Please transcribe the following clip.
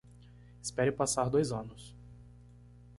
Espere passar dois anos